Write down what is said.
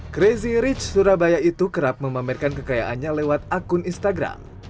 crazy rich surabaya itu kerap memamerkan kekayaannya lewat akun instagram